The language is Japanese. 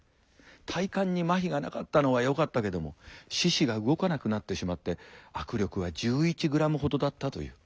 体幹にまひがなかったのはよかったけども四肢が動かなくなってしまって握力は１１ｇほどだったという。